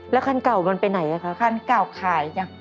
แล้วคันเก่ามันไปไหนคะคันเก่าขายจ้ะ